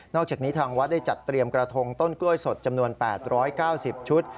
อกจากนี้ทางวัดได้จัดเตรียมกระทงต้นกล้วยสดจำนวน๘๙๐ชุด